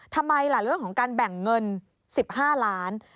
ทำไมล่ะเรื่องของการแบ่งเงิน๑๕ล้าน